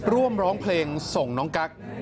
ร่วมร้องเพลงส่งน้องกรัก